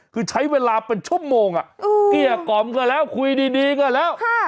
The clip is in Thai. คือใช้เวลาเป็นชั่วโมงเกลี้ยกล่อมก็แล้วคุยดีก็แล้ว